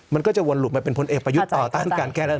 มันก็จะวนหลุดมาเป็นพลเอกประยุทธ์ต่อต้านการแก้รัฐ